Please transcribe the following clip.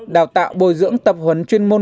đào tạo bồi dưỡng tập huấn chuyên môn